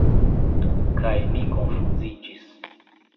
Kaj mi konfuziĝis.